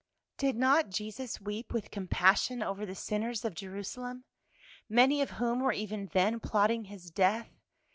"Did not Jesus weep with compassion over the sinners of Jerusalem, many of whom were even then plotting His death?